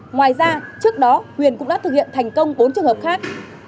ngoài ra trước đó huyền cũng đã thực hiện thành công bốn trường hợp khác